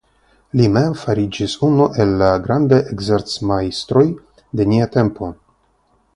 Li mem fariĝis unu el la grandaj ekzercmajstroj de nia tempo.